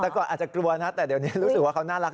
แต่ก่อนอาจจะกลัวนะแต่เดี๋ยวนี้รู้สึกว่าเขาน่ารัก